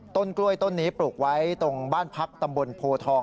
ต้นกล้วยต้นนี้ปลูกไว้ตรงบ้านพักตำบลโพทอง